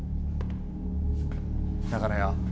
だからよ